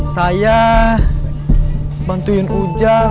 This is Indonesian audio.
saya bantuin ujang